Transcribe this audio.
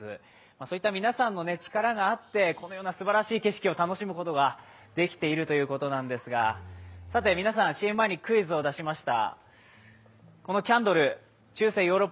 そういった皆さんの力があってこのようなすばらしい景色を楽しむことができているということなんですが皆さん、ＣＭ前にクイズを出しました。